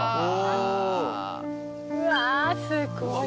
うわすごい。